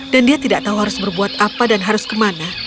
dan dia tidak tahu harus berbuat apa dan harus kemana